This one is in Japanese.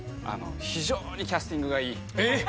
非常にキャスティングがいい。えっ！